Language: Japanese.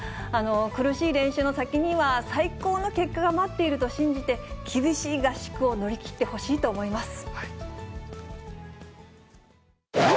苦しい練習の先には、最高の結果が待っていると信じて、厳しい合宿を乗り切ってほしいと思います。